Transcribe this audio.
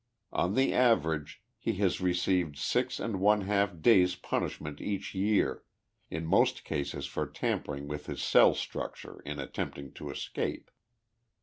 On the average, he has received six and one lialf days' pun ishment each year, in most cases for tampering with his cell struc ture in attempting to escape.